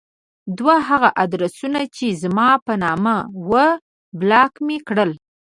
دوه هغه ادرسونه چې زما په نامه وو بلاک مې کړل.